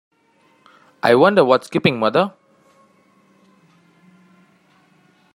I wonder what's keeping mother?